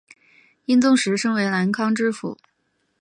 英宗时升为南康知府。